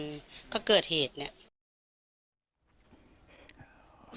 มันก็เกิดเหตุเนี่ย